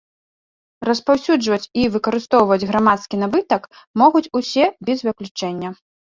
Распаўсюджваць і выкарыстоўваць грамадскі набытак могуць усе без выключэння.